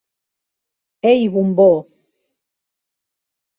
Ei, bombó!